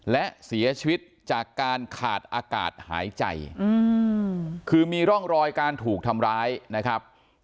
และเสียชีวิตจากการขาดอากาศหายใจคือมีร่องรอยการถูกทำร้ายนะครับ